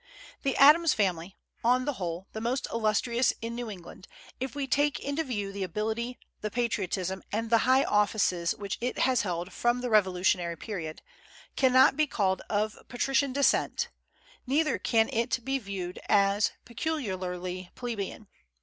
The Adams family on the whole the most illustrious in New England, if we take into view the ability, the patriotism, and the high offices which it has held from the Revolutionary period cannot be called of patrician descent, neither can it viewed as peculiarly plebeian.